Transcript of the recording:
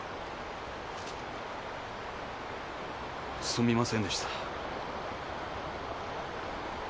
すみませんでした。